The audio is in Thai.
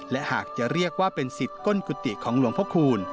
และหากจะเรียกว่าเป็นสิทธิ์ก้นกุฏิของหลวงพระคูณ